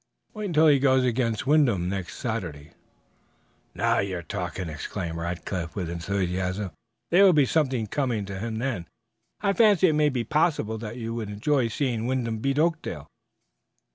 Wait until he goes against Wyndham next Saturday." "Now you're talking!" exclaimed Rackliff with enthusiasm. "There will be something coming to him then. I fancy it may be possible that you would enjoy seeing Wyndham beat Oakdale?"